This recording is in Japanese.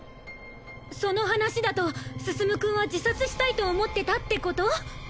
その話だと向君は自殺したいと思ってたってこと？